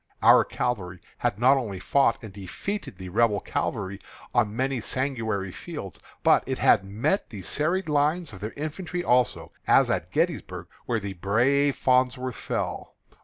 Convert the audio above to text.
Our cavalry had not only fought and defeated the Rebel cavalry on many sanguinary fields, but it had met the serried lines of their infantry also, as at Gettysburg, where the brave Farnsworth fell.